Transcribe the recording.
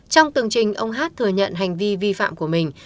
trong tường trình ông hát thừa nhận hành vi vi phạm của mình